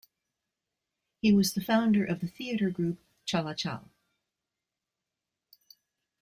He was the founder of the theatre group "Chalachal".